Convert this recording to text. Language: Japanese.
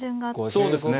そうですね。